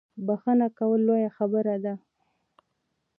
بخښنه کول لویه خبره ده